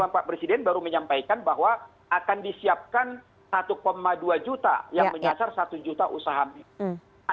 pak presiden baru menyampaikan bahwa akan disiapkan satu dua juta yang menyasar satu juta usaha mikro